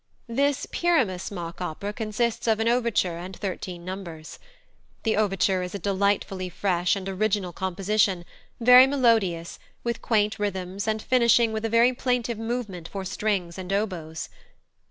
This Pyramus mock opera consists of an overture and thirteen numbers. The overture is a delightfully fresh and original composition, very melodious, with quaint rhythms, and finishing with a very plaintive movement for strings and oboes.